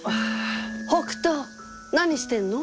北斗何してんの？